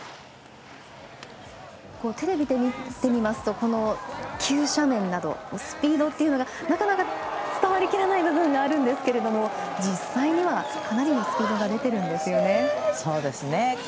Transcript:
テレビで見ていますと急斜面などスピードというのがなかなか伝わりきらない部分があるんですけど実際、かなりのスピードが出ているんですよね。